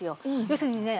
要するにね